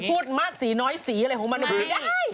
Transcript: พูดมากสีน้อยสีผมมาเรียงไม่ได้